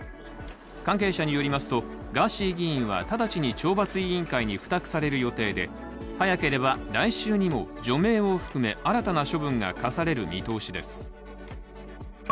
関係者によりますと、ガーシー議員は直ちに懲罰委員会に付託される予定で早ければ来週にも除名を含め、新たな処分が科される見通しです。